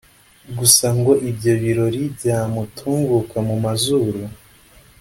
gusa ngo ibyo birori byamutunguka mu mazuru